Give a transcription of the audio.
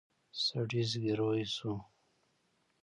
سړي زګېروی شو.